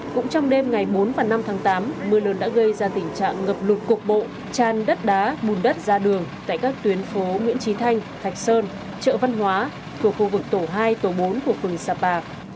cũng trong đêm ngày bốn và năm tháng tám mưa lớn đã gây ra tình trạng ngập lụt cục bộ tràn đất đá bùn đất ra đường tại các tuyến phố nguyễn trí thanh thạch sơn chợ văn hóa của khu vực tổ hai tổ bốn của phường sapa